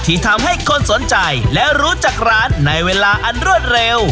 ที่ทำให้คนสนใจและรู้จักร้านในเวลาอันรวดเร็ว